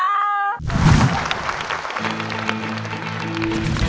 สวัสดีครับ